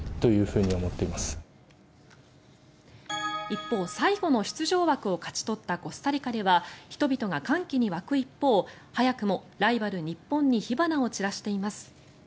一方、最後の出場枠を勝ち取ったコスタリカでは人々が歓喜に沸く一方早くもライバル日本に火花を散らしています。